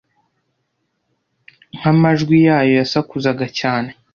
nka majwi yayo yasakuzaga cyane